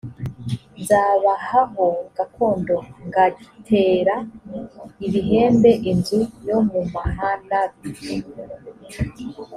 nzabaha ho gakondo ngatera ibibembe inzu yo mumahanag